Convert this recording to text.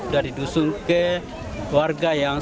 dari dusun ke warga yang